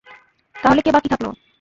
তাহলে কে বাকি থাকল?